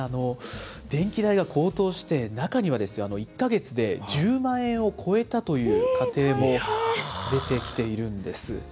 電気代が高騰して、中には、１か月で１０万円を超えたという家庭も出てきているんです。